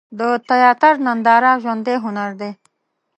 د تیاتر ننداره ژوندی هنر دی.